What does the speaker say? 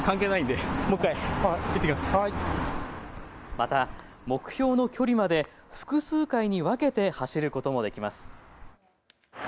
また目標の距離まで複数回に分けて走ることもできます。